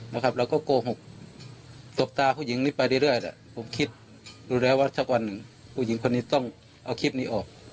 เราก็โกหกตบตาผู้หญิงนี้ไปเรื่อยผมคิดดูแล้วว่าสักวันหนึ่งผู้หญิงคนนี้ต้องเอาคลิปนี้ออก